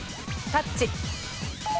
タッチ。